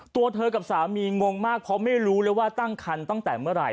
ตัวเธอกับสามีงงมากเพราะไม่รู้เลยว่าตั้งคันตั้งแต่เมื่อไหร่